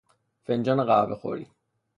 فنجان قهوه خوری